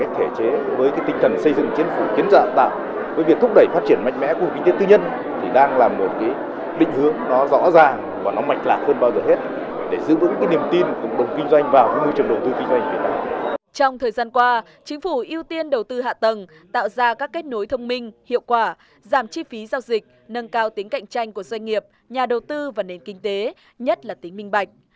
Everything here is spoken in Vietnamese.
thời gian qua chính phủ ưu tiên đầu tư hạ tầng tạo ra các kết nối thông minh hiệu quả giảm chi phí giao dịch nâng cao tính cạnh tranh của doanh nghiệp nhà đầu tư và nền kinh tế nhất là tính minh bạch